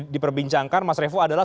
diperbincangkan mas revo adalah